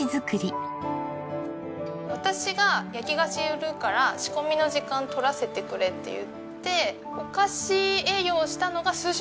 私が焼き菓子売るから仕込みの時間取らせてくれって言ってお菓子営業したのが数週間あったんですよ。